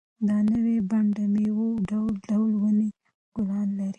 دا نوی بڼ د مېوو ډول ډول ونې او ګلان لري.